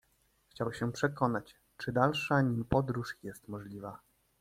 Chciał się przekonać, czy dalsza nim podróż jest możliwa.